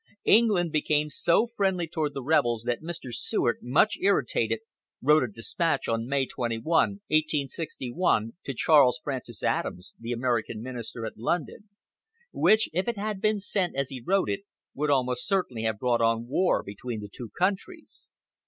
England became so friendly toward the rebels that Mr. Seward, much irritated, wrote a despatch on May 21, 1861, to Charles Francis Adams, the American Minister at London, which, if it had been sent as he wrote it, would almost certainly have brought on war between the two countries.